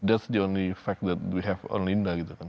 itu fakta yang kita punya pada linda gitu kan